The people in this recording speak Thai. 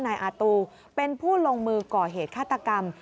นายอาตูเป็นผู้ลงมือก่อเหตุฆาตกรรม